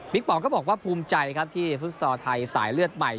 ป๋องก็บอกว่าภูมิใจครับที่ฟุตซอลไทยสายเลือดใหม่